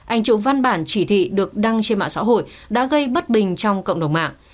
anh chụp văn bản chỉ thị được đăng trên mạng xã hội đã gây bất bình trong cộng đồng mạng